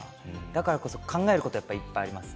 だからこそ考えることはいっぱいあります。